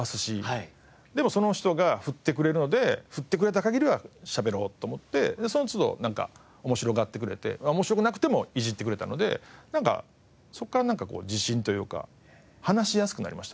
でもその人が振ってくれるので振ってくれた限りはしゃべろうと思ってその都度なんか面白がってくれて面白くなくてもいじってくれたのでそこからなんかこう自信というか話しやすくなりましたね。